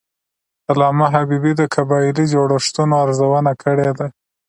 علامه حبیبي د قبایلي جوړښتونو ارزونه کړې ده.